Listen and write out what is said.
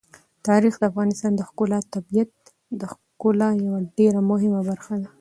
تاریخ د افغانستان د ښکلي طبیعت د ښکلا یوه ډېره مهمه برخه ده.